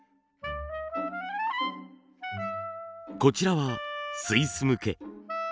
こちらはスイス向け。